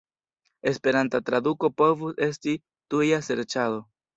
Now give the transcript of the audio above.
Esperanta traduko povus esti "tuja serĉado".